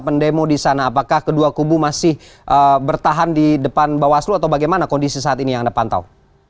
pendemo di sana apakah kedua kubu masih bertahan di depan bawaslu atau bagaimana kondisi saat ini yang anda pantau